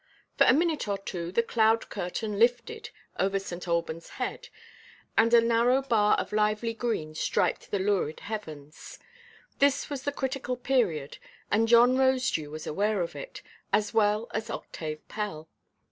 For a minute or two, the cloud–curtain lifted over St. Albanʼs Head, and a narrow bar of lively green striped the lurid heavens. This was the critical period, and John Rosedew was aware of it, as well as Octave Pell.